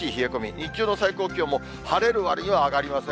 日中の最高気温も、晴れるわりには上がりません。